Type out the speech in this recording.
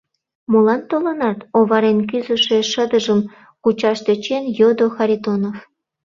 — Молан толынат? — оварен кӱзышӧ шыдыжым кучаш тӧчен, йодо Харитонов.